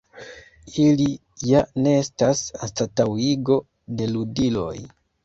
Ili ja ne estas anstataŭigo de ludiloj.